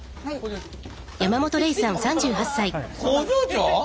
工場長？